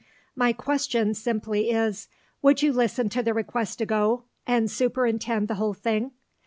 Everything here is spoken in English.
My question simply is, Would you listen to the request to go and superintend the whole thing?